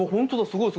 すごい！